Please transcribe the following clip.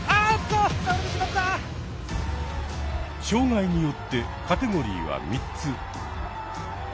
障がいによってカテゴリーは３つ。